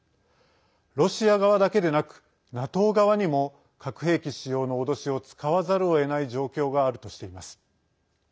ロシア側だけでなくＮＡＴＯ側にも核兵器の使用の脅しを使わざるをえない状況があるとしています。